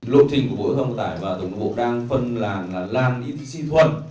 lộ trình của bộ thông tải và tổng thống bộ đang phân làng là làng y tích sinh thuận